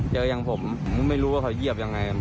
อย่างผมผมไม่รู้ว่าเขาเหยียบยังไง